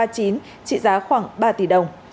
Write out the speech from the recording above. trị giá khoảng ba tỷ đồng